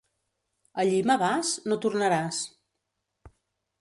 A Lima vas? No tornaràs.